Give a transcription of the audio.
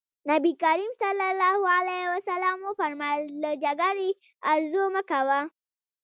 نبي کريم ص وفرمايل له جګړې ارزو مه کوئ.